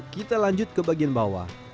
kita lanjut ke bagian bawah